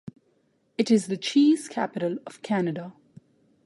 It is The Cheese Capital of Canada.